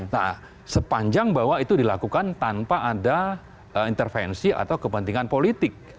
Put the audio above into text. nah sepanjang bahwa itu dilakukan tanpa ada intervensi atau kepentingan politik